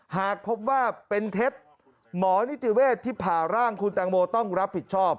หากพบว่าเป็นเท็จหมอนิติเวศที่ผ่าร่างคุณแตงโมต้องรับผิดชอบ